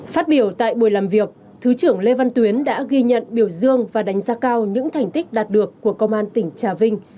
phát biểu tại buổi làm việc thứ trưởng lê văn tuyến đã ghi nhận biểu dương và đánh giá cao những thành tích đạt được của công an tỉnh trà vinh